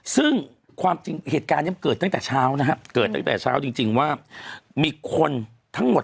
ซึ่งความจริงเหตุการณ์นี้มันเกิดตั้งแต่เช้านะฮะเกิดตั้งแต่เช้าจริงว่ามีคนทั้งหมด